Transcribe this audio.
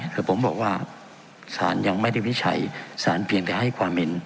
คือผมบอกว่าสารยังไม่ได้วิจัยสารเพียงแต่ให้ความเห็น